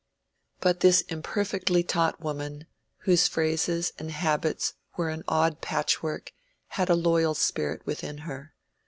But this imperfectly taught woman, whose phrases and habits were an odd patchwork, had a loyal spirit within her.